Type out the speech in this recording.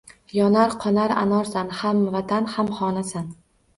Yonar, qonar anorsan – hamvatan, hamxonasan.